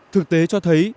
thực tế cho thấy